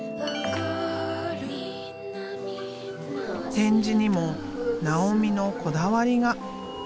展示にも尚美のこだわりが。